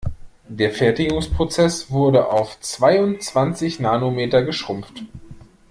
Der Fertigungsprozess wurde auf zweiundzwanzig Nanometer geschrumpft.